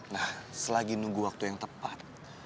nah selagi nunggu waktu yang tepat